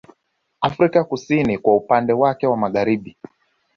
Afrika kusini kwa upande wake wa magharibi